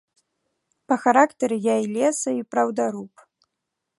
Па характары я і леса- і праўдаруб.